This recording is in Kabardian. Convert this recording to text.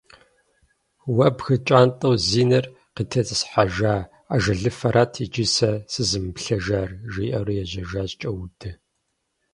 Уэ бгы кӀантӀэу зи нэр къытетӀысхьэжа ажалыфэрат иджы сэ сызымыплъыжар! - жиӀэурэ ежьэжащ КӀэудэ.